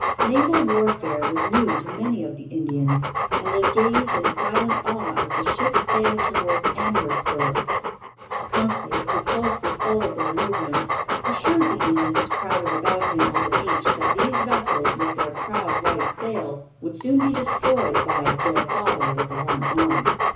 Naval warfare was new to many of the Indians, and they gazed in silent awe as the ships sailed towards Amherstburg. Tecumseh, who closely followed their movements, assured the Indians crowded about him on the beach that these vessels with their proud white sails would soon be destroyed by 'their father with the one arm.'